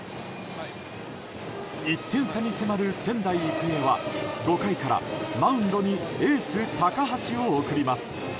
１て差に迫る仙台育英は５回からマウンドにエース、高橋を送ります。